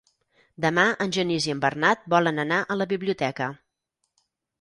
Demà en Genís i en Bernat volen anar a la biblioteca.